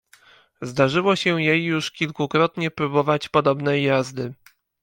Zdarzyło się jej już kilkukrotnie próbować podobnej jazdy.